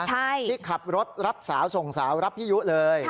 ใช่ที่ขับรถรับสาวส่งสาวรับพี่ยุเลย